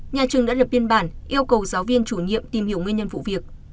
nhà trường đã lập biên bản yêu cầu giáo viên chủ nhiệm tìm hiểu nguyên nhân vụ việc